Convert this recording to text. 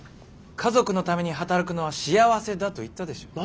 家族のために働くのは幸せだと言ったでしょう。